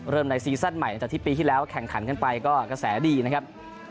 ในซีซั่นใหม่หลังจากที่ปีที่แล้วแข่งขันกันไปก็กระแสดีนะครับ